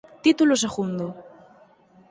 Título segundo